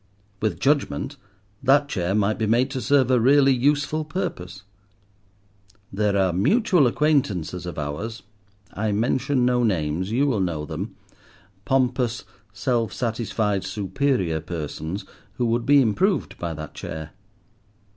With judgment that chair might be made to serve a really useful purpose. There are mutual acquaintances of ours—I mention no names, you will know them—pompous, self satisfied, superior persons who would be improved by that chair.